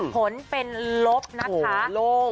ผลเป็นลบนะคะโหโล่ง